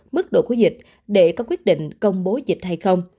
mức độ của dịch để có quyết định công bố dịch hay không